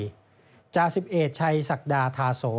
นักมุมชีวิตเอกชัยสักดาถาโส